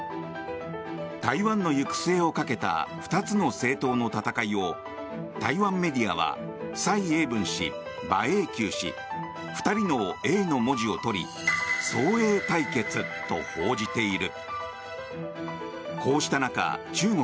台湾の行く末をかけた２つの政党の闘いを台湾メディアは蔡英文氏、馬英九氏２人の「英」の文字をとり双英対決と報じている。